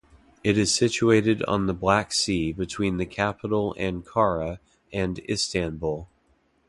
It is situated on the Black Sea between the Capital Ankara and Istanbul.